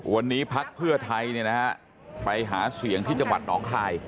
วันนี้พักเพื่อไทยไปหาเสียงที่จังหวัดหนองคาย